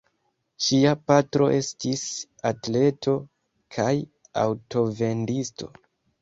Ŝia patro estis atleto kaj aŭtovendisto.